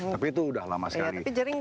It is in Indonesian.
tapi itu udah lama sekali tapi jering